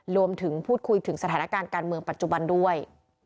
รวมถึงพูดคุยถึงสถานการณ์การเมืองปัจจุบันด้วย